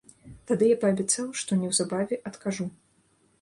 Тады я паабяцаў, што неўзабаве адкажу.